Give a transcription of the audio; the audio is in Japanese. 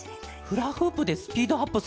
フラフープでスピードアップするケロね。